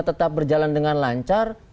tetap berjalan dengan lancar